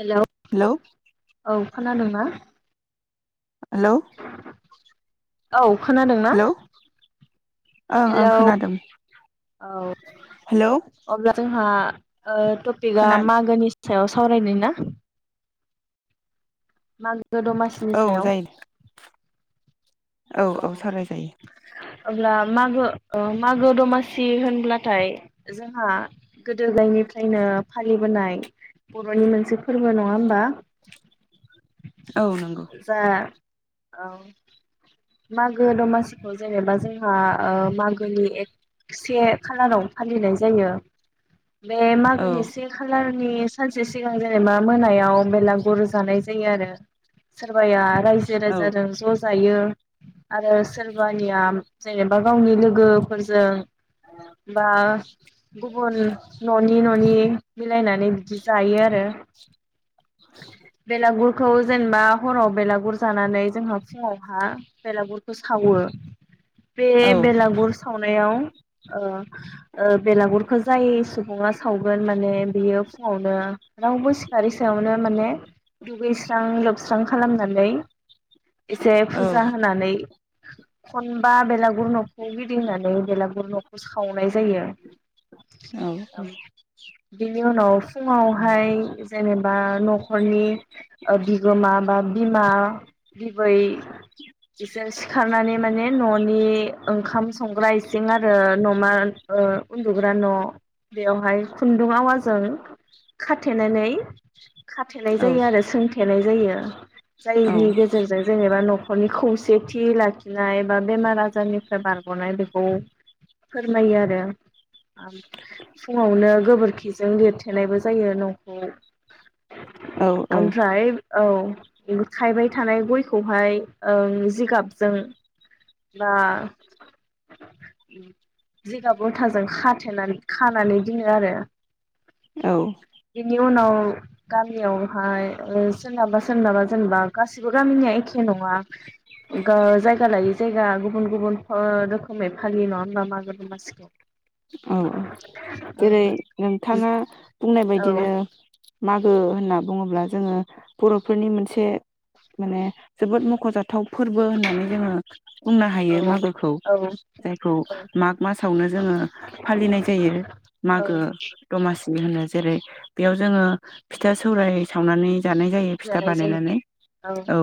हेल' hello औ। खोनादोंना? Hello. औ खोनादों ना? हेलौ ओं ओं खोनादों। औ। हेलौ अब्ला जोंहा मा ओ टपिका खोना मागोनि सायाव सावरायनाय ना? माग औ जायो औ औ सावराय जायो। अब्ला मागो मागो दमासि होनब्लाथाय जोंहा गोदो गोदायनिफ्रायनो फालिबोनाय बरनि मोनसे फोरबो नङा होमबा? औ नंगौ। जा औ मागो दमासिखौ जेनेबा जोंहा मागोनि एक से खालाराव फालिनाय जायो। बे औ मागोनि से खालारनि सानसे सिगां जे [unintelligible] मोनायाव बेलागुरु जानाय जायो आरो सोरबाया रायजो औ राजाजों ज जायो आरो सोरबानिया जेनेबा गावनि लोगोफोरजों बा गुबुन न' नि न' नि मिलायनानै बिदि जायो आरो [inaudible] बेलागुरखौ जेनेबा हराव बेलागुर जानानै जोंङो फुङावहा बेलागुरखौ सावो बे औ बेलागुर सावनायाव ओ ओ बेलागुर जाय सुबुङा सावगोन माने बियो फुङावनो रावबो सि सिखारै सायावनो माने दुगैस्रां लोबस्रां खालामनानै एसे औ फुजा होनानै खनबा बेलागुर न'खौ गिदिंनानै बेलागुर न'खौ सावनाय जायो। औ औ बिनि उनाव फुङावहाय जेनेबा न'खरनि बिगोमा बा बिमा बिबै बिसोर सिखारनानै माने न'नि ओंखाम संग्रा इसिं आरो न'मा ओ उन्दुग्रा न' बेवहाय खुन्दुं आवाजों खाथेनानै खाथेनाय औ जायो आरो सोंथेनाय जायो जायनि गेजेरजों जेनेबा न'खरनि खौसेथि लाखिनाय बा बेमार आजारनिफ्राय बारग'नाय बेखौ फोरमायो आरो फुङावनो गोबोरखिजों लिरथेनायबो जायो न'खौ। औ ओमफ्राय औ खायबाय थानाय गयखौहाय जिगाबजों बा जिगाब लथाजों खााथेनानै खानानै दो आरो औ बेनि उनाव गामियाव ओमफ्राय सोरनाबा सोरनाबा जेनेबा गासिबो गामिनिया एखे नङा जायगा लायै जायगा गुबुन गुबुन रोखोमै फालियो नङा होनबा मागो दमासिखौ औ जेरै नोंथाङा बुंनाय औ बायदिनो मा होनना बुङोब्ला जोंङो बर'फोरनि मोनसे माने जोबोद मख'जाथाव गोाथाव फोरबो होननानै जोंङो बुंनो हायो मागोखौ औ जायखौ औ माग मासावनो जोंङो फालिनाय जायो औ मागो दमासि होनो। जेरै बेयाव जोङो फिथा सौराय सावनानै जानाय जायो फिथा जानाय जायो बानायनानै औ ओ।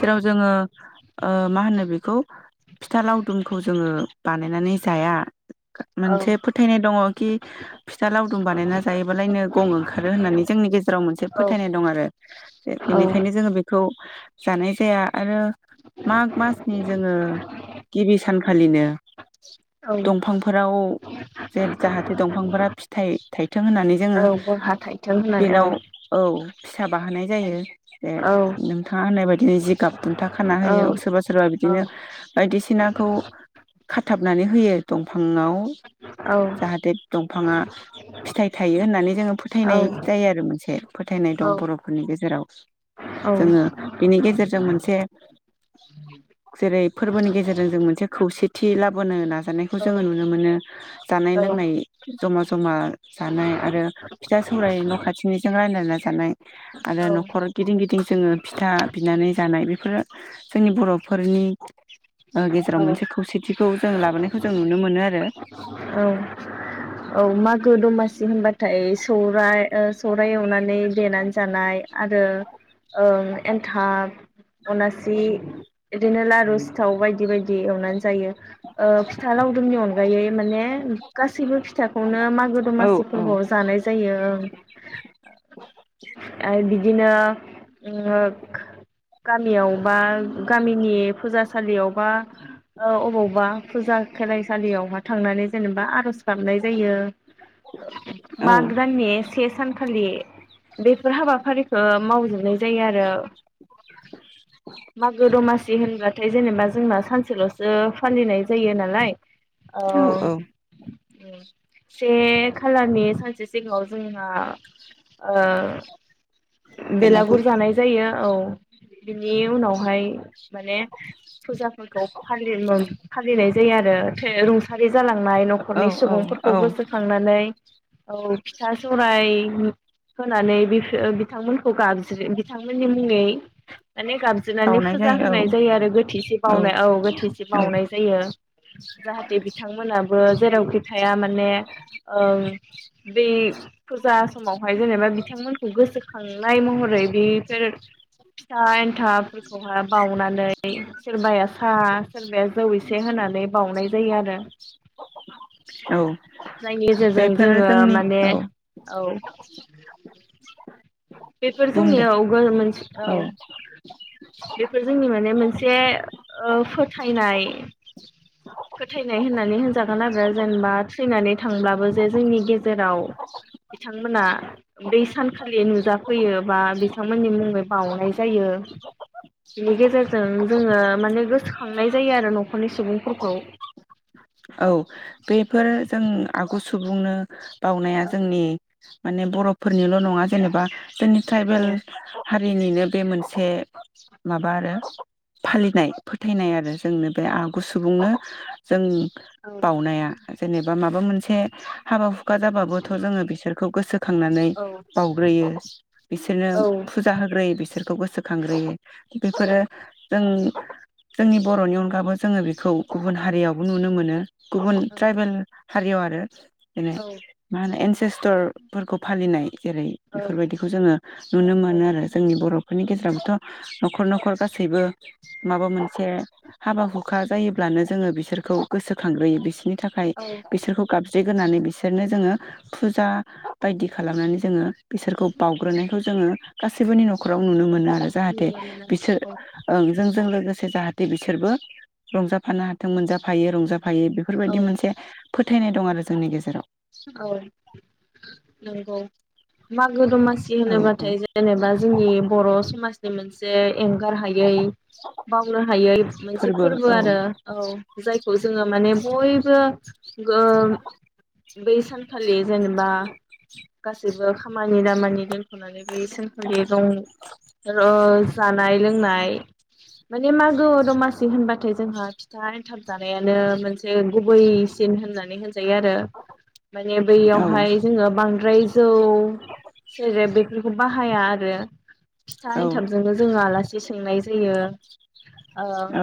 जेराव जोंङो ओ मा होनो बेखौ फिथा लावदुम खौ जोंङो बानायनानै जाया। औ मोनसे फोथायनाय दङ खि, फिथा लावदुम बानायना जायोबालायनो गं ओंखारो होननानै जोंनि गेजेराव मोनसे औ फोथायनाय दं आरो। औ बेनिखायनो जोंङो बेखौ, जानाय जाया। आरो माग मासनि जोंङो गिबि सान फालिनो औ दंफांफोराव जे जाहाथे दंफांफोरा फिथाइ थाइथों होननानै औ जोङो, बरहा थाइथों होननानै औ बेनाव औ फिसा बाहोनाय जायो जे औ नोंथांङा होननाय बायदिनो जिगाब बुन्था खाना औ होयो सोरबा सोरबा औ बिदिनो बायदिसिनाखौ खाथाबनानै होयो दंफाङाव। औ जाहाथे दंफाङा फिथाइ थायो होननानै जोङो फोथायनाय जायो आरो मोनसे। फोथायनाय दं बर'फोरनि गेजेराव जोङो बिनि गेजेरजों मोनसे जेरै फोरबोनि गेजेरजों जों मोनसे खौसेथि लाबो बोनो होना जानायखौ औ जोङो नुनो मोनो। जानाय लोंनाय। जमा जमा। जानाय आरो फिथा सौराय न' खाथिनिजों रानलायनानै [unintelligible] आरो औ न'खर गिदिं गिदिं जोङो फिथा बिनानै जानाय बेफोर बेफोर जोंनि बर'फोरनि औ गेजेराव मोनसे खौसेथिखौ जों लाबोनायखौ जों नुनो मोनो आरो। औ औ मागो दमासि होनबा होनबाथाय सौराय सौराइ एवनानै देनानै जानाय। आरो एन्थाब अनासि बिदिनो लारु सिथाव बायदि बायदि एवनानै जायो, फिथा लावदुमनि अनगायै माने गासैबो फिथाखौनो मागो औ दमासि औ फोरबोआव जानाय जायो। आरो बिदिनो [unintelligible] गामियाव बा गामिनि फुजासालियाव बा अबावबा फुजा खेलायसालियावहा थांनानै जेनेबा आर'ज खालामनाय जायो, औ माग दाननि से सानखालि बेफोर हाबाफारिखौ मावजोबनाय जायो आरो, मागो दमासि होनबा थाय जेनेबा जोंना सानसेल'सो फालिनाय जायो नालाय औ से खालारनि सानसे सिगाङाव जोंहा ओ बेलागुर जानाय जायो औ बिनि उनावहाय माने फुजाफोरखौ फालि फालिनाय जायो आरो रुंसारि जालांनाय औ न'खरनि औ सुबुंफोरखौ औ गोसोखांनानै औ फिथा सौराइ होनानै बिथांमोन खौ गाबज्रि बिथांमोननि मुङै माने गाबज्रिनानै बावनाय फुजा औ होनाय जायो आरो गोथैसे बावनाय औ गोथैसे औ बावनाय जायो जाहाथे बिथांमोनाबो जेरावखि थाया माने ओ बे फुजा समाव हाय जेनेबा बिथांमोनखौ गोसो खांनाय महरै बेफोर फिसान थाफोरखौहा बाउनानै सोरबाया सा सोरबाया जौै एस एसे होनानै बावनाय जायो आरो औ जायनि जेजों बेफोरो जोङो जोंनि माने औ औ बेफोर बुं जोंनि दे औ गो मोनसे औ बेफोर जोंनि माने मोनसे ओ फोथायनाय फोथायनाय होन्नानै होनजागोन आरो जेनेबा थैनानै थांब्लाबो जे जोंनि गेजेराव बिथांमोना बै सानखालि नुजाफैयो बा बिथांमोननि मुङै बावनाय जायो बेनि गेजेरजों जोङो माने गोसोखांनाय जायो आरो न'खरनि सुबुंफोरखौ औ बेफोर जों आगु सु बुंनो बावउनाया जोंनि माने बर'फोरनिल' नङा जेनेबा जोंनि ट्राइबेल औ हारिनिनो बे मोनसे माबा आरो फालिनाय फोथायनाय आरो जोंनो बे आगु सुबुंनो जों औ बावउनाया जेनेबा माबा मोनसे हाबा हु खा जाबाबोथ' जोङो बिसोरखौ गोसोखांनानै औ बावउग्रोयो बिसोरनो औ फुजा होग्रोयो बिसोर खौ गोसोखांग्रोयो औ बेफोरो जों जोंनि बर'नि अनगाबो जोङो बेखौ गुबुन हारियावबो नुनो मोनो। गुबुन ट्राइबेल हारियाव आरो बेनो मा होनो सेस्थरफोरखौ फालिनाय जेरै औ बेफोरबायदिखौ जोङो नुनो मोनो आरो जोंनि बर' फोरनि गेजेरावथ' न'खर न'खर गासैबो माबा मोनसे हाबा हुखा जायोब्लानो जोङो बिसोरखौ गोसोखांग्रोयो बिसिनि थाखाय औ बिसोरखौ गाबज्रिगानै बि बिसोरनो जोङो फुजा बायदि खालामनानै जोङो बिसोरखौ बावउग्रोनायखौ जोङो गासैबोनि न'खराव नुनो मोना। जाहाथे नुनो मोनो बिसोर औ ओं जोंजों लोगोसे जाहाथे बिसोरबो रंजाफानो हाथों मोनजाफा फायो रंजाफायो औ बेफोरबायदि मोनसे फोथायनाय दं आरो जोंनि गेजेराव औ नंगौ मागो दमा सि औ औ होनोबाथाय जेनेबा जोंनि बर' समाज बे मोनसे एंगार हायै बावनो हायै मोनसे फोरबो आरो औ जायखौ जोङो माने बयबो [unintelligible] बै सानखालि जेनेबा गासैबो खाम खामानि दामानि दोनथ'नानै बै सानखालि रं ओ जानाय लोंनाय माने मागो दमासि होनबाथाय जोंहा फिथा एन्थाब जानायानो मोनसे गुबैसिन होननानै होन [unintelligible] माने औ बैयावहाय जोङो बांद्राय जौ सेरेब बे बेखौ बाहाया आरो फिथा एन्थाबजोंनो जोङो आलासि [unintelligible] [unintelligible] ओ औ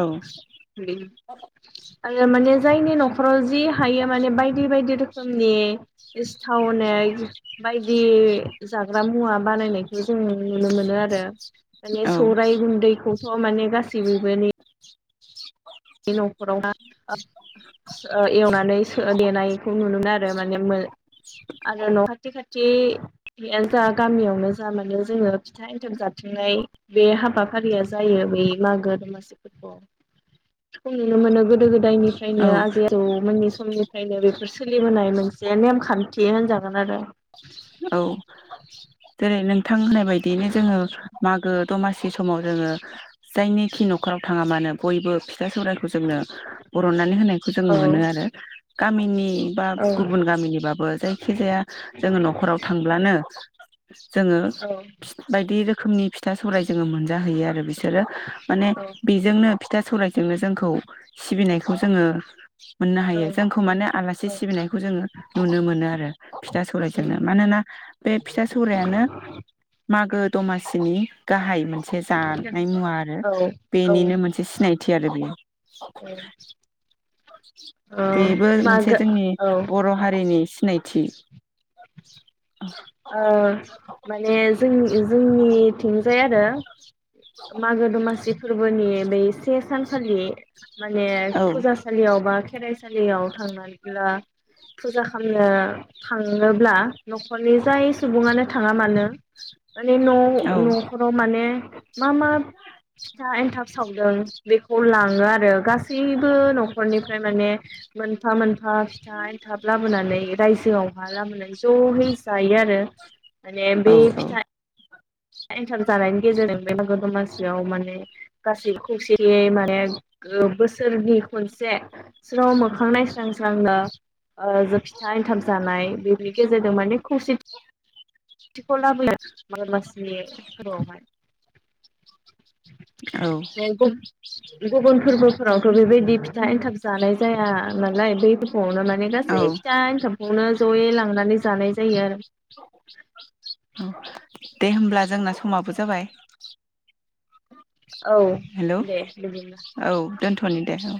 आरो माने जायनि न'खराव जि हायो माने बायदि बायदि रोखोम [unintelligible] सावनेक बायदि जाग्रा मुवा बानायनाय बे जों नुनो मोनो आरो माने सौराय गुन्दैखौ थ' माने गासैबोबोनि बे न'खराव हा सो ओ एवनानै सो देनायखौ नुनो [unintelligible] [unintelligible] आरो न' खाथि खाथ [unintelligible] जा गामियावनो जा माने जोङो फिथा एन्थाब जााथिंनाय बे हाबाफारिया जायो बै मागो दमासिफोरखौ [unintelligible] नुनो मोनो गोदो गोदो औ जायनिफ्रायनो आजि आजौ मोननि समनि खायनो बेफोर सोलि नाय मोनसे नेमखान्थि होनजागोन आरो। औ जेरै नोंथां होननाय बायदियैनो जोङो मागो दमासि समाव जोङो जायनिखि न'खराव थाङा मानो बयबो फिसा सौरायखौ जोंनो बर'ननानै होनायखौ जों औ मोनो आरो। गामिनि बा औ गुबुन गामिनिबाबो जायखि जाया जोङो न थांब्लानो जोङो औ बायदि रोख खोमनि फिथा सौराय जोङो मोनजाहैयो आरो बिसोरो माने औ बेजोंनो फिथा सौरायजोंनो जोंखौ सिबिनायखौ जोङो मोननो हायो जोंखौ माने आलासि सिबिनायखौ जोङो नुनो मोनो आरो फिथा सौराय जोंनो मानोना बे फिथा सौरायानो मागो दमासिनि गाहाय मोनसे जानाय मुवा आरो औ औ बेनिनो मोनसे सिनायथि आरो बेयो। [unintelligible] औ बेबो मोनसे मागो जोंनि औ बर' हारिनि सिनायथि। ओ माने जों जोंनिथिंजाय आरो मागो दमासि फोरबोनि बै से सान खालि माने औ फुजासालियाव बा खेराइ सालियाव थांनायब्ला फुजा खामनो थाङोब्ला न'खरनि फ्राय सुबुङानो थाङा मानो माने न' औ न'खराव माने मा मा फिथा एनथाब सावदों बेखौ लाङो आरो गासैबो न'खरनिफ्राय माने मोनफा मोनफा फिथा एनथाब लाबोनानै रायजोआव हा लाबोनानै ज'यै जायो आरो माने औ बे औ फिथा एन्थाब जानायनि गेजेर जों बे मागो दमासियाव माने गासै खौसेयै माने ओ बोसोरनि खनसे स्र मोखां नायस्रां स्रांनो ओ जो फिथा एन्थाब जानाय बेनि गेजेरजों माने खौसे [unintelligible] बे फोरावहाय औ [unintelligible] गुबुन फोरबोफोरावथ' बेबायदि फि [unintelligible] एन्थाब जानाय जाया नालाय बै दुफावनो [unintelligible] औ गासै फिथा एनथाबखौनो ज'यै लांनानै जानाय जायो आरो औ दे होमब्ला जोंना समाबो जाबाय। औ हेल' दे बिदिब्ला औ दोनथ'नि दे औ।